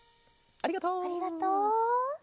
ありがとう！